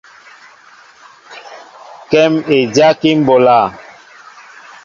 Kém é dyákí mɓolā.